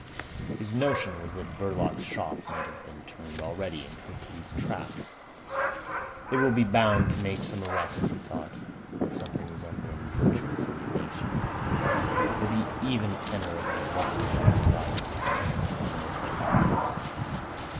His notion was that Verloc's shop might have been turned already into a police trap. They will be bound to make some arrests, he thought, with something resembling virtuous indignation, for the even tenor of his revolutionary life was menaced by no fault of his.